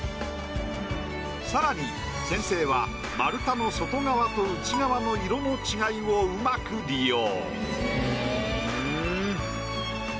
さらに先生は丸太の外側と内側の色の違いをうまく利用。